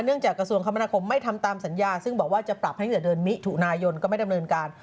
ต้องจากกระทรวงคมนาคมไม่ทำตามสัญญาซึ่งบอกว่าจะปรับให้เหนือเดินมิถุนายนก็ไม่ได้บริเวณการ